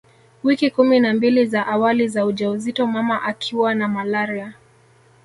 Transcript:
Wiki kumi na mbili za awali za ujauzito mama akiwa na malaria